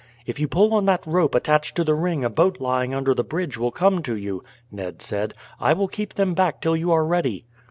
"If you pull on that rope attached to the ring a boat lying under the bridge will come to you," Ned said. "I will keep them back till you are ready."